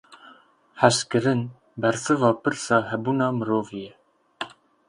Hezkirin; bersiva pirsa hebûna mirovî ye.